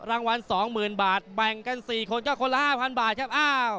รางวัล๒๐๐๐บาทแบ่งกัน๔คนก็คนละ๕๐๐บาทครับ